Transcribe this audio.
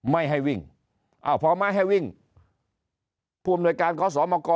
ไม่ให้วิ่งพอไม่ให้วิ่งผู้อำนวยการขอสมก